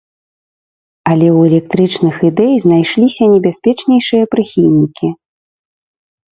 Але ў электрычных ідэй знайшліся небяспечнейшыя прыхільнікі.